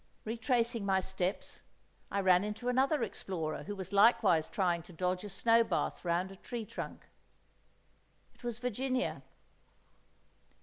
Retracing my steps, I ran into another explorer who was likewise trying to dodge a snow bath round a tree trunk. It was Virginia.